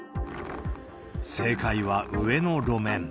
正解は上の路面。